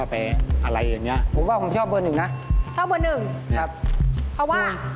เป็นอย่างไรคะ